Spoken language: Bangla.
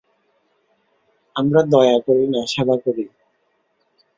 আমরা দয়া করি না, সেবা করি।